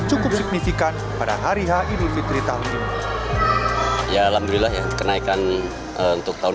cukup signifikan pada hari h idul fitri tahun ini ya alhamdulillah ya kenaikan untuk tahun